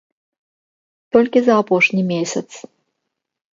Толькі за апошні месяц.